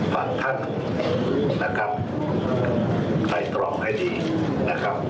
บางท่านนะครับไตรตรองให้ดีนะครับ